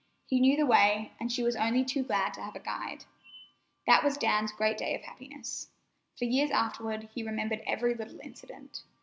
He knew the way, and she was only too glad to have a guide. That was Dan's great day of happiness. For years afterward he remembered every little incident.